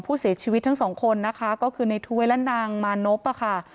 ผู้เสียชีวิตทั้งสองคนนะคะก็คือในถ้วยและนางมานพค่ะ